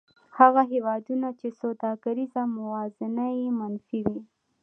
هغه هېوادونه چې سوداګریزه موازنه یې منفي وي